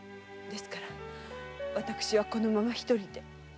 ですから私はこのまま一人で。